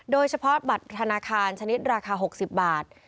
โดยเฉพาะบัตรธนาคารชนิดราคา๖๐บาท